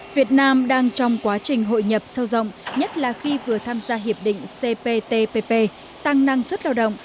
việt nam đang trong quá trình hội nhập sâu rộng nhất là khi vừa tham gia hiệp định cptpp tăng năng suất lao động